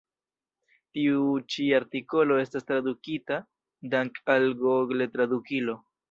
Tiu ĉi artikolo estas tradukita dank' al Google-Tradukilo.